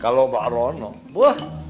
kalau pak rono buah